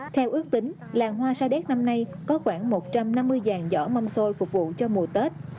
theo ước tính làng hoa sa đéc năm nay có khoảng một trăm năm mươi dàn giỏ mâm xôi phục vụ cho mùa tết